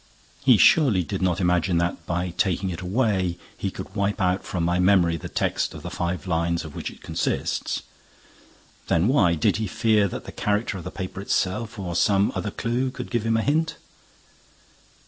He surely did not imagine that, by taking it away, he could wipe out from my memory the text of the five lines of which it consists! Then why? Did he fear that the character of the paper itself, or some other clue, could give me a hint?